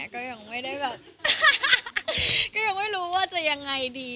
ก็ยังไม่รู้ว่าจะยังไงดี